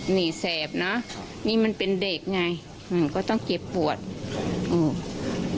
หนีแสบนะครับนี่มันเป็นเด็กไงอืมก็ต้องเจ็บปวดอืม